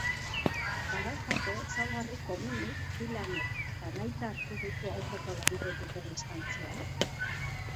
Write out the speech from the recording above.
Badaukate ezaugarri komunik bi lanek edo nahita hartu duzu aurreko lanarekiko distantzia?